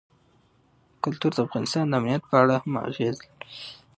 کلتور د افغانستان د امنیت په اړه هم اغېز لري.